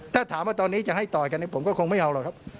ถ้าถามว่าตอนนี้จะให้ต่อยกันผมก็คงไม่เอาหรอกครับ